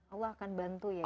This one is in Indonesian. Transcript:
allah akan bantu ya